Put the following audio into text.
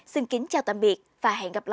xin kính chào tạm biệt và hẹn gặp lại